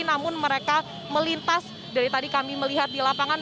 namun mereka melintas dari tadi kami melihat di lapangan